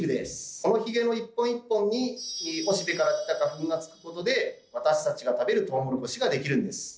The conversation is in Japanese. そのヒゲの一本一本におしべから来た花粉がつくことで私たちが食べるトウモロコシができるんです。